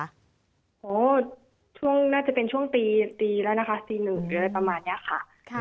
โฮช่วงน่าจะเป็นช่วงตี๑แล้วประมาณนี้ค่ะ